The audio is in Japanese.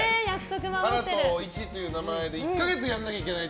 ハラとイチという名前で１か月やらなきゃいけないと。